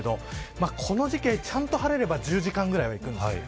この時期ちゃんと晴れれば１０時間くらいはいくんです。